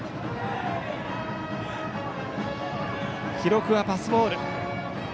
記録はパスボール。